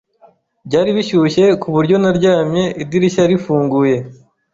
Byari bishyushye kuburyo naryamye idirishya rifunguye.